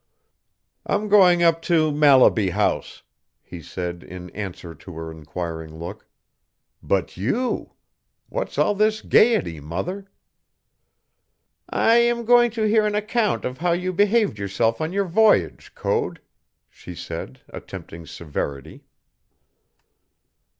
"I'm going up to Mallaby House," he said in answer to her inquiring look. "But you! What's all this gaiety, mother?" "I am going to hear an account of how you behaved yourself on the voyage, Code," she said, attempting severity.